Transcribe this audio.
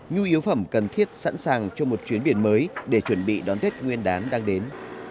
nhu yếu phẩm cần thiết sẵn sàng cho một chuyến biển mới để chuẩn bị đón tết nguyên đán đang đến